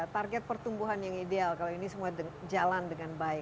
target pertumbuhan yang ideal kalau ini semua jalan dengan baik